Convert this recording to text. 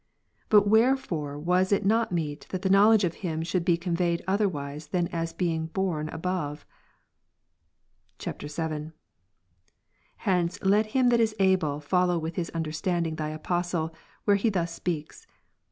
But wherefore was it not meet that the knowledge of Him should be conveyed otherwise, than as being borne above ? [VII.] 8. Hence let him that is able, follow with his un Rom. 5, derstanding Thy Apostle, where he thus speaks.